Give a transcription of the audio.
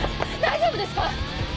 大丈夫ですか？